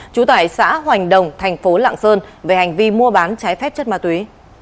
chú tải xã hoành đồng thành phố lạng sơn về hành vi mua bán trái phép chất ma túy